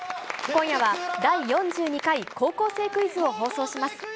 今夜は、第４２回高校生クイズを放送します。